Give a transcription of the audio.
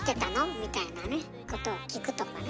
みたいなねことを聞くとかね。